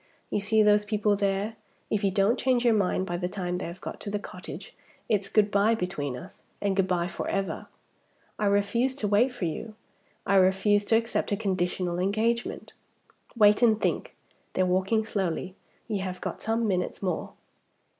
You see those people there. If you don't change your mind by the time they have got to the cottage, it's good by between us, and good by forever. I refuse to wait for you; I refuse to accept a conditional engagement. Wait, and think. They're walking slowly; you have got some minutes more."